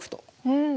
うん。